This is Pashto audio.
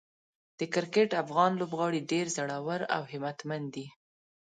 د کرکټ افغان لوبغاړي ډېر زړور او همتمن دي.